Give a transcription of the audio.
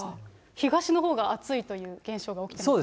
東の方が暑いという現象が起きていますね。